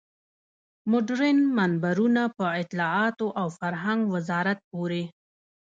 مډرن منبرونه په اطلاعاتو او فرهنګ وزارت پورې.